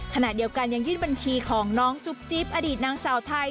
ขณะเดียวกันยังยื่นบัญชีของน้องจุ๊บจิ๊บอดีตนางสาวไทย